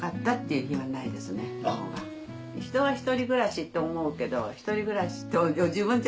人は一人暮らしって思うけど。